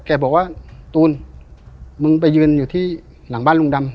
แกบอกว่าตูนมึงไปยืนอยู่ที่หลังบ้านลุงดำ